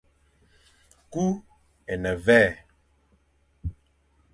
Ku é ne mvè.